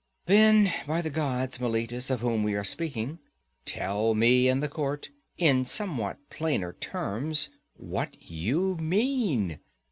Then, by the gods, Meletus, of whom we are speaking, tell me and the court, in somewhat plainer terms, what you mean!